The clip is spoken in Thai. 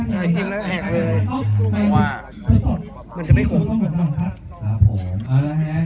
อ๋อใช่จริงเลยแห่งเลยมันจะไม่คุ้ม